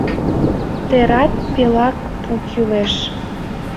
Терат пелак пу кӱлеш.